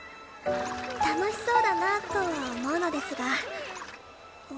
楽しそうだなとは思うのですが。